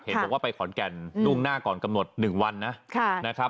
เห็นบอกว่าไปขอนแก่นดูงหน้าก่อนกำหนด๑วันนะ